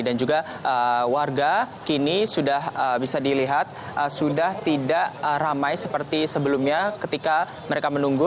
juga warga kini sudah bisa dilihat sudah tidak ramai seperti sebelumnya ketika mereka menunggu